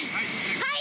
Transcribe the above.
はい。